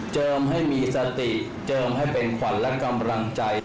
ให้มีสติเจิมให้เป็นขวัญและกำลังใจ